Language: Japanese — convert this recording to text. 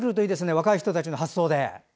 若い人たちの発想で。